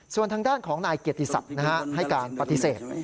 ส่วนทางด้านของนายเกียรติศักดิ์ให้การปฏิเสธ